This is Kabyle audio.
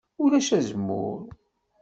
Ulac azemmur.